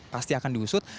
pasti akan diusut